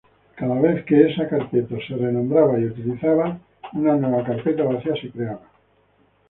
Una nueva carpeta vacía se creaba siempre que esa carpeta era renombrada y utilizada.